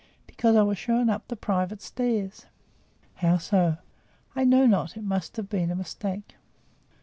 "Because I was shown up the private stairs." "How so?" "I know not; it must have been a mistake."